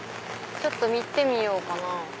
ちょっと見てみようかな。